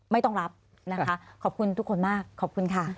ไม่ต้องรับนะคะขอบคุณทุกคนมากขอบคุณค่ะ